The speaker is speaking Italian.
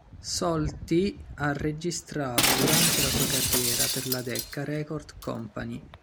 Solti ha registrato durante la sua carriera per la Decca Record Company.